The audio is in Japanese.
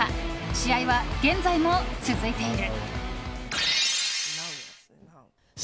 試合は現在も続いている。